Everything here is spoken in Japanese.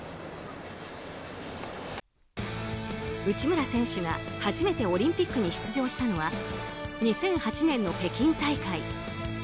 内村選手が初めてオリンピックに出場したのは２００８年の北京大会。